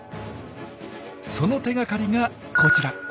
その手がかりがこちら。